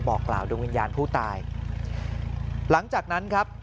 บอกกล่าวดวงวิญญาณผู้ตายหลังจากนั้นครับ